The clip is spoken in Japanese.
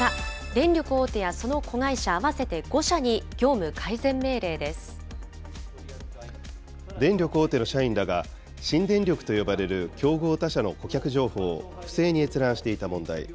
電力大手やその子会社、電力大手の社員らが、新電力と呼ばれる競合他社の顧客情報を不正に閲覧していた問題。